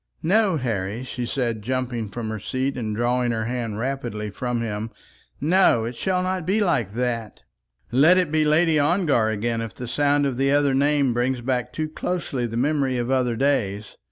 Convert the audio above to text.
"No, Harry," she said, jumping from her seat and drawing her hand rapidly from him; "no; it shall not be like that. Let it be Lady Ongar again if the sound of the other name brings back too closely the memory of other days.